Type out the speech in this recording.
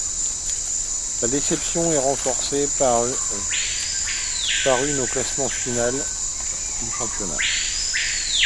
La déception est renforcée par une au classement final du championnat.